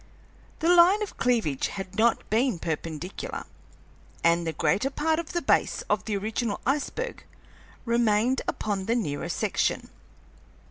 The line of cleavage had not been perpendicular, and the greater part of the base of the original iceberg remained upon the nearer section.